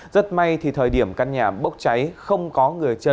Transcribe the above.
rất may thì thời điểm căn nhà bốc cháy không có người chân